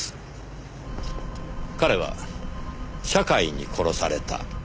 彼は社会に殺された。